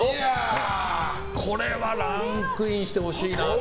これはランクインしてほしいな。